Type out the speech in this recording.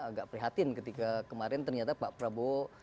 agak prihatin ketika kemarin ternyata pak prabowo